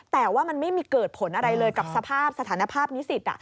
แต่ว่ามันไม่มีเกิดผลอะไรเลยกับสภาพสถานภาพนิสิต